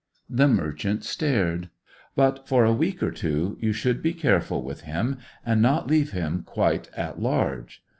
The merchant stared. "But, for a week or two, you should be careful with him, and not leave him quite at large."